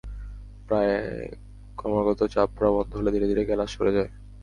পায়ে ক্রমাগত চাপ পড়া বন্ধ হলে ধীরে ধীরে ক্যালাস সেরে যায়।